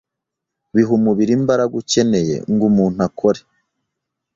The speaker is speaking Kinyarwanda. biha umubiri imbaraga ukeneye ngo umuntu akore,